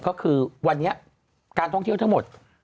ก็คือวันนี้การท่องเที่ยวทั้งหมด